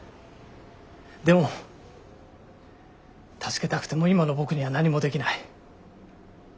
でも助けたくても今の僕には何もできない。